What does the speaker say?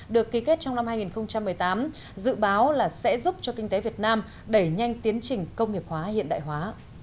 được ký kết trong năm hai nghìn một mươi tám dự báo là sẽ giúp cho kinh tế việt nam đẩy nhanh tiến trình công nghiệp hóa hiện đại hóa